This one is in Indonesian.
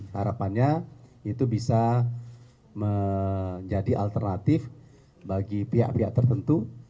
harapannya itu bisa menjadi alternatif bagi pihak pihak tertentu